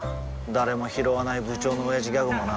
誰もひろわない部長のオヤジギャグもな